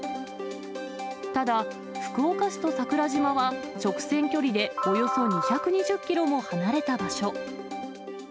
ただ、福岡市と桜島は直線距離でおよそ２２０キロも離れた場所。